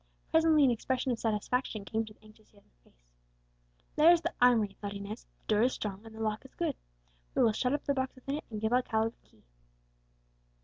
Presently an expression of satisfaction came to the anxious young face. "There is the armoury," thought Inez; "the door is strong, and the lock is good. We will shut up the box within it, and give Alcala the key."